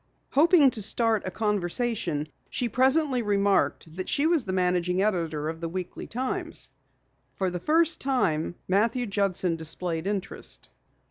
Hoping to start a conversation, she presently remarked that she was the managing editor of the Weekly Times. For the first time Matthew Judson displayed interest.